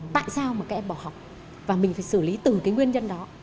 tại sao mà các em bỏ học và mình phải xử lý từ cái nguyên nhân đó